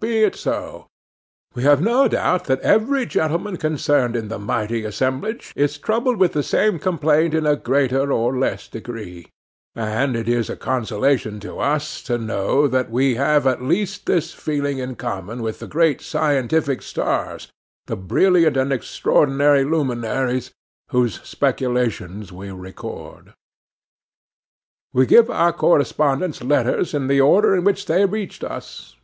Be it so. We have no doubt that every gentleman concerned in this mighty assemblage is troubled with the same complaint in a greater or less degree; and it is a consolation to us to know that we have at least this feeling in common with the great scientific stars, the brilliant and extraordinary luminaries, whose speculations we record. We give our correspondent's letters in the order in which they reached us.